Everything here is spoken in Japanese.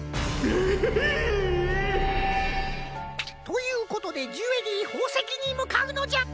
ひいっ！ということでジュエリーほうせきにむかうのじゃ！